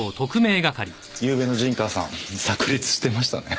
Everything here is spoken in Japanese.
ゆうべの陣川さん炸裂してましたね。